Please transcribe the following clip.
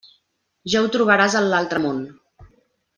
Ja ho trobaràs en l'altre món.